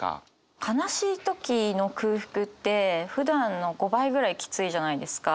悲しい時の空腹ってふだんの５倍ぐらいキツいじゃないですか。